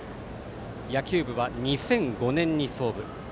野球部は２００５年に創部。